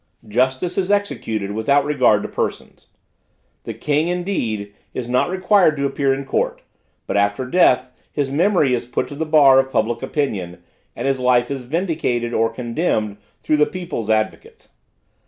Justice is executed without regard to persons. The king, indeed, is not required to appear in court, but after death, his memory is put to the bar of public opinion, and his life is vindicated or condemned through the peoples' advocates.